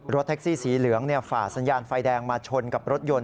แท็กซี่สีเหลืองฝ่าสัญญาณไฟแดงมาชนกับรถยนต์